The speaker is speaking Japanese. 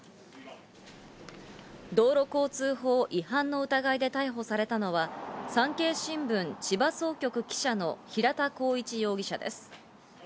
道交法違反の疑いで逮捕されたのは産経新聞千葉総局記者の平田浩一容疑者です。